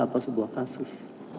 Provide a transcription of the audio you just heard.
atau sebuah kasus